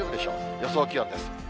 予想気温です。